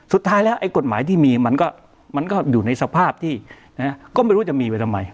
สุดท้ายแล้วไอ้กฎหมายที่มีมันก็อยู่ในสภาพที่ก็ไม่รู้จะมีไปทำไม